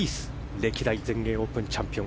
歴代全米オープンチャンピオン